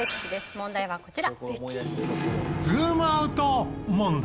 問題はこちら。